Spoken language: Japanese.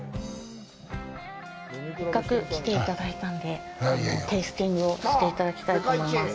せっかく来ていただいたんでテイスティングをしていただきたいと思います。